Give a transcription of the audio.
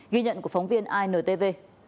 ghi nhận của phóng viên intv